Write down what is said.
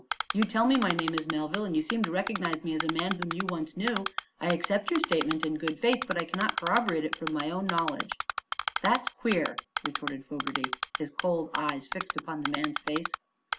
You tell me my name is Melville, and you seem to recognize me as a man whom you once knew. I accept your statement in good faith, but I cannot corroborate it from my own knowledge." "That's queer," retorted Fogerty, his cold eyes fixed upon the man's face.